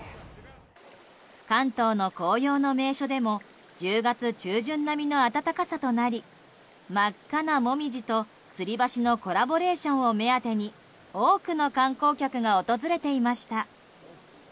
関東の紅葉の名所でも１０月中旬並みの暖かさとなり真っ赤なモミジとつり橋のコラボレーションを目当てに多くの観光客が訪れていました。